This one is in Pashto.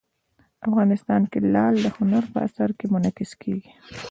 افغانستان کې لعل د هنر په اثار کې منعکس کېږي.